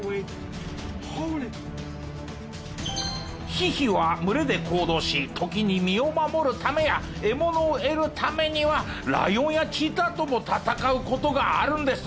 ヒヒは群れで行動し時に身を守るためや獲物を得るためにはライオンやチーターとも戦う事があるんです。